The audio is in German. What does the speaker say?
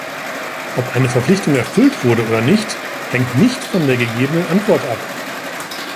Ob eine Verpflichtung erfüllt wurde oder nicht, hängt nicht von der gegebenen Antwort ab.